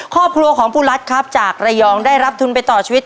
ครอบครัวของผู้รัฐครับจากระยองได้รับทุนไปต่อชีวิต